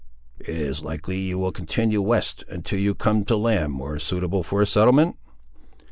"It is likely you will continue west, until you come to land more suitable for a settlement?"